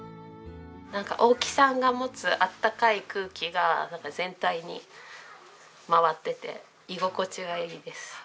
なんか大木さんが持つあったかい空気が全体に回ってて居心地がいいです。